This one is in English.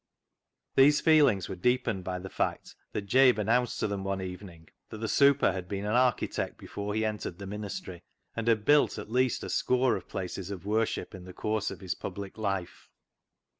These feelings were deepened by the fact that Jabe announced to them, one evening, that the " super " had been an architect before he entered the ministry, and had built at least a score places of worship in the course of his public life.